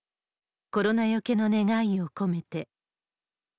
コロナよけの願いを込めて。